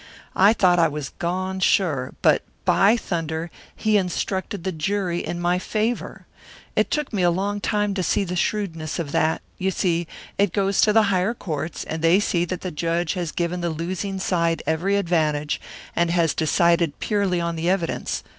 I thought I was gone sure but, by thunder, he instructed the jury in my favour! It took me a long time to see the shrewdness of that; you see, it goes to the higher courts, and they see that the judge has given the losing side every advantage, and has decided purely on the evidence.